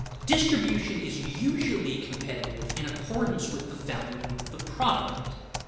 _Distribution is usually competitive in accordance with the value of the product.